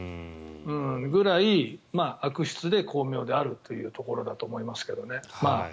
そのぐらい、悪質で巧妙であるというところだと思いますけどね。